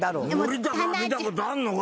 森高見たことあんのか？